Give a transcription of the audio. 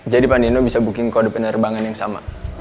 jadi pak nino bisa booking kode penerbangan yang sama